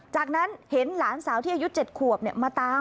จากนั้นเห็นหลานสาวที่อายุ๗ขวบมาตาม